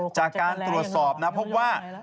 จากการตรวจสอบนะครับเพราะว่า